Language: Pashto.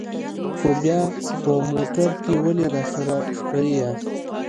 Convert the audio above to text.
نو بیا په موټر کې ولې راسره سپرې یاست؟